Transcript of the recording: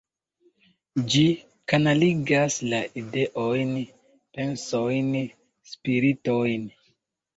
Ĝi kanaligas la ideojn, pensojn, spiritojn.